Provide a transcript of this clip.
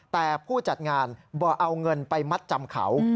แต่ผู้จัดงานบอกเอาเงินไปมัดจำเขา